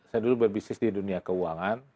saya dulu berbisnis di dunia keuangan